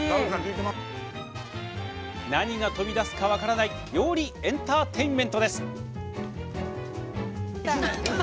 何が飛び出すか分からない料理エンターテインメントです。